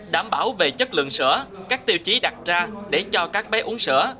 đảm bảo về chất lượng sữa các tiêu chí đặt ra để cho các bé uống sữa